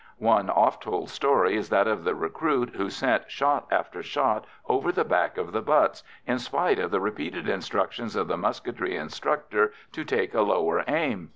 One oft told story is that of the recruit who sent shot after shot over the back of the butts, in spite of the repeated instructions of the musketry instructor to take a lower aim.